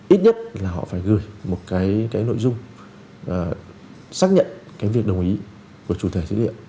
ít nhất là họ phải gửi một nội dung xác nhận việc đồng ý của chủ thể xử lý dữ liệu